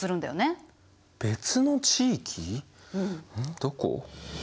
どこ？